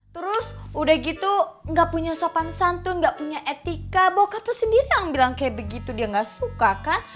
terus udah gitu gak punya sopan santun gak punya etika bahwa kata sendiri yang bilang kayak begitu dia gak suka kan